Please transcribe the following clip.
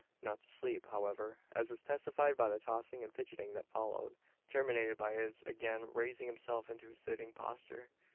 Not to sleep, however; as was testified by the tossing and fidgeting that followed terminated by his again raising himself into a sitting posture.